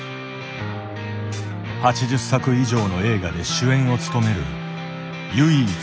８０作以上の映画で主演を務める唯一無二の俳優。